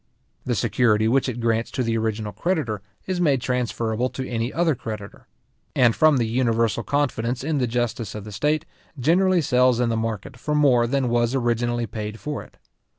The security which it grants to the original creditor, is made transferable to any other creditor; and from the universal confidence in the justice of the state, generally sells in the market for more than was originally paid for it.